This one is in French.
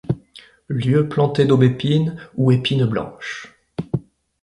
Lieu planté d'aubépine ou épine blanche.